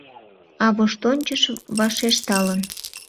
А воштончыш вашешталын: